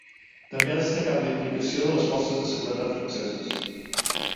També ha destacat la implicació de les forces de seguretat franceses.